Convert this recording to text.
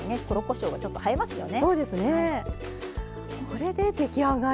これで出来上がり。